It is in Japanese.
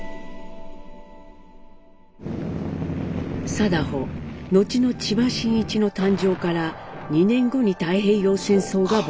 禎穗後の千葉真一の誕生から２年後に太平洋戦争が勃発。